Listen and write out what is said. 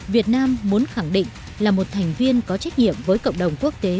việt nam muốn khẳng định là một thành viên có trách nhiệm với cộng đồng quốc tế